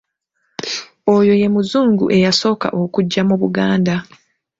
Oyo ye muzungu eyasooka okujja mu Buganda.